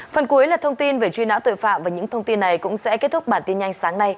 phần cuối là thông tin về truy nã tội phạm và những thông tin này cũng sẽ kết thúc bản tin nhanh sáng nay